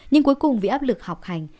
nhưng cuối cùng vì áp lực học hành